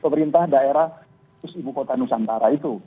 pemerintah daerah khusus ibu kota nusantara itu